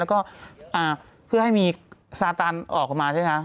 แล้วก็เพื่อให้มีซาตันออกมาใช่ไหมคะ